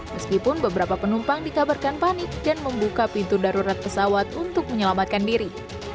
meskipun beberapa penumpang dikabarkan panik dan membuka pintu darurat pesawat untuk menyelamatkan diri